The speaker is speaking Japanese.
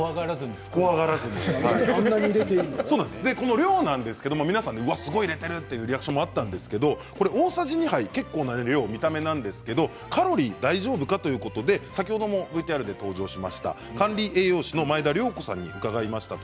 怖がらずに、この量ですが皆さんすごい入れているというリアクションがあったんですが大さじ２杯、結構な量の見た目なんですがカロリー大丈夫かということで先ほどもＶＴＲで登場しました管理栄養士の前田量子さんに伺いました。